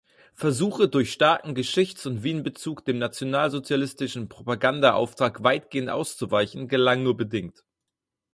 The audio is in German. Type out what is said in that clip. Versuche, durch starken Geschichts- und Wien-Bezug dem nationalsozialistischen Propaganda-Auftrag weitgehend auszuweichen, gelang nur bedingt.